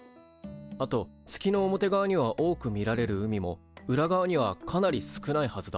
あと月の表側には多く見られる海も裏側にはかなり少ないはずだ。